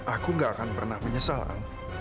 aku nggak akan pernah menyesal al